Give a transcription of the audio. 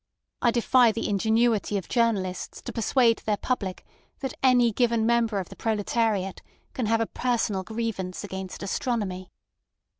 I defy the ingenuity of journalists to persuade their public that any given member of the proletariat can have a personal grievance against astronomy.